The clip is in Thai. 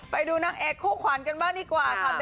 ไปดูนางเอกคู่ขวัญกันบ้างดีกว่าค่ะ